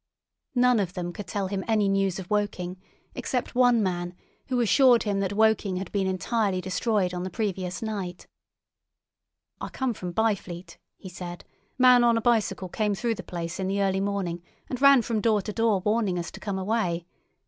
None of them could tell him any news of Woking except one man, who assured him that Woking had been entirely destroyed on the previous night. "I come from Byfleet," he said; "a man on a bicycle came through the place in the early morning, and ran from door to door warning us to come away.